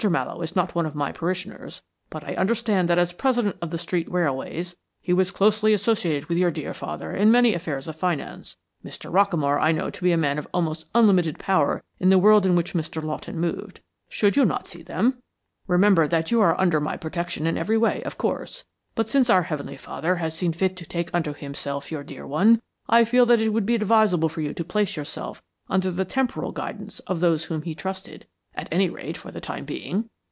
Mallowe is not one of my parishioners, but I understand that as president of the Street Railways, he was closely associated with your dear father in many affairs of finance. Mr. Rockamore I know to be a man of almost unlimited power in the world in which Mr. Lawton moved. Should you not see them? Remember that you are under my protection in every way, of course, but since our Heavenly Father has seen fit to take unto Himself your dear one, I feel that it would be advisable for you to place yourself under the temporal guidance of those whom he trusted, at any rate for the time being."